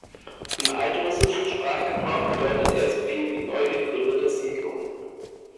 Im altrussischen Sprachgebrauch bedeutet er so viel wie „neu gegründete Siedlung“.